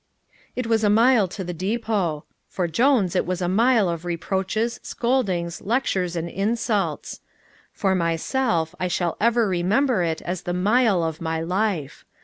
It was a mile to the depot. For Jones it was a mile of reproaches, scoldings, lectures and insults. For myself I shall ever remember it as the mile of my life.